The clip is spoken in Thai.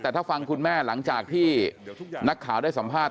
แต่ถ้าฟังคุณแม่หลังจากที่นักข่าวได้สัมภาษณ